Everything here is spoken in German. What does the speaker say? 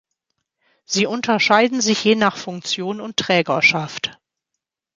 Sie unterscheiden sich je nach Funktion und Trägerschaft.